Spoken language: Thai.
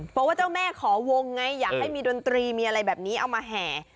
เพราะว่าเจ้าแม่ขอวงไงอยากให้มีดนตรีมีอะไรแบบนี้เอามาแห่